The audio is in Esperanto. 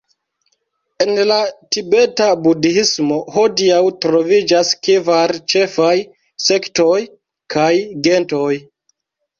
En la tibeta budhismo hodiaŭ troviĝas kvar ĉefaj sektoj kaj gentoj.